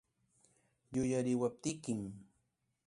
Yuyariwaptikim.